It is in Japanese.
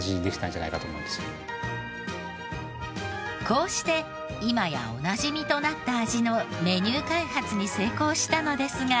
こうして今やおなじみとなった味のメニュー開発に成功したのですが。